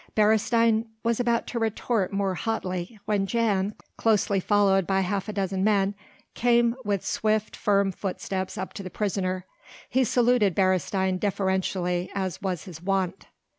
Beresteyn was about to retort more hotly when Jan, closely followed by half a dozen men, came with swift, firm footsteps up to the prisoner. He saluted Beresteyn deferentially as was his wont.